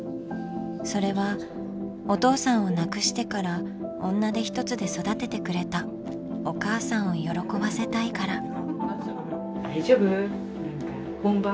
それはお父さんを亡くしてから女手ひとつで育ててくれたお母さんを喜ばせたいから。